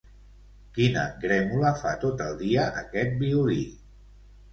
Quina grémola fa tot el dia aquest violí.